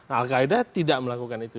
al qaeda tidak melakukan itu